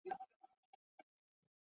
这时它们可以产卵及排精。